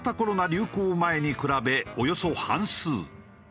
流行前に比べおよそ半数。